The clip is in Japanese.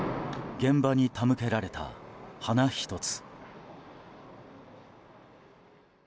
現場に手向けられた花１つ。